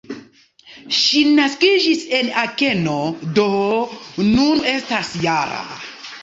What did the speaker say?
Ŝi naskiĝis en Akeno, do nun estas -jara.